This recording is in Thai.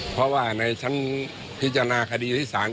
เพราะว่าในชั้นพิจารณาคดีศิษฐานการณ์